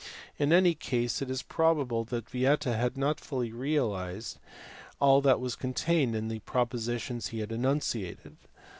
In any case it is probable that Vieta had not fully realized all that was contained in the propositions he had enunciated.